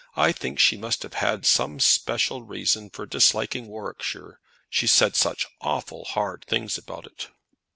I think she must have had some special reason for disliking Warwickshire, she said such awful hard things about it."